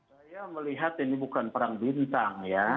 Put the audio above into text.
saya melihat ini bukan perang bintang ya